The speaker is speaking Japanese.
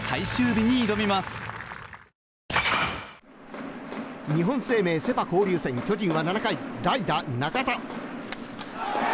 日本生命セ・パ交流戦巨人は７回代打、中田。